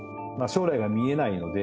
将来が見えないので。